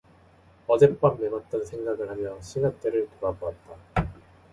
어젯밤 매맞던 생각을 하며 싱앗대를 돌아보았다.